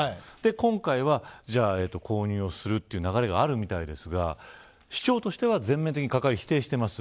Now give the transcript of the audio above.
今回は購入するという流れがあるみたいですが市長としては全面的に関わりを否定しています。